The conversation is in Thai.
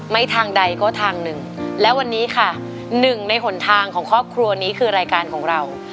ทางใดก็ทางหนึ่งและวันนี้ค่ะหนึ่งในหนทางของครอบครัวนี้คือรายการของเรา